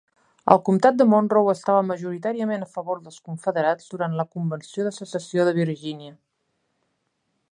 El comtat de Monroe estava majoritàriament a favor dels confederats durant la Convenció de Secessió de Virginia.